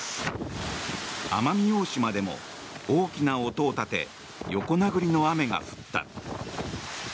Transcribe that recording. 奄美大島でも大きな音を立て横殴りの雨が降った。